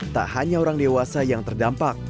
tak hanya orang dewasa yang terdampak